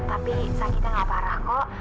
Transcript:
tapi sakitnya gak parah kok